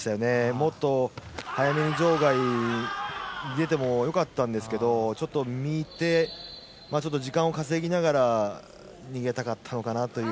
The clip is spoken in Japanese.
もっと早めに場外出てもよかったんですがちょっと見て、時間を稼ぎながら逃げたかったのかなという。